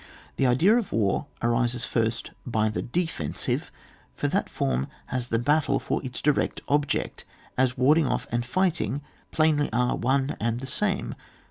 The idea of war arises first by the defensive^ for that form has the battle for its direct object, as warding off and fighting plainly are one and the same.